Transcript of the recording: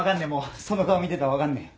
その顔見てたら分かんねえ。